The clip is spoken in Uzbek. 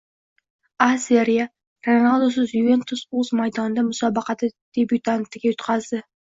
A Seriya. Ronaldusiz “Yuventus” o‘z maydonida musobaqa debyutantiga yutqazdi